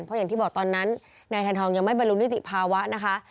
เพราะอย่างที่บอกตอนนั้นนายแทนทองยังไม่บรรลุนิติภาวะนะคะ